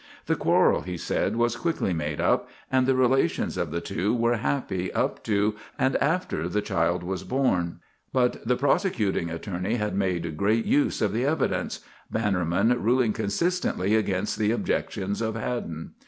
The quarrel, he said, was quickly made up and the relations of the two were happy up to and after the child was born. But the prosecuting attorney had made great use of the evidence, Bannerman ruling consistently against the objections of Haddon.